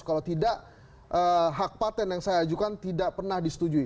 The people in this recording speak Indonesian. kalau tidak hak patent yang saya ajukan tidak pernah disetujui